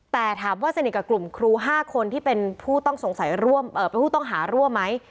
แต่ถามว่าสนิทกับกลุ่มครู๕คนที่เป็นผู้ต้องหาร่วมไหม